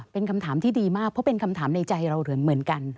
เป็นคำถามที่ดีมากเพราะเป็นคำถามในใจเราเหมือนกัน